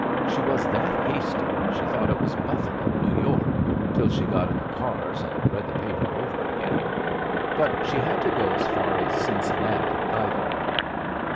She was that hasty she thought it was Buffalo, New York, till she got in the cars and read the paper over again. But she had to go as far as Cincinnati, either way.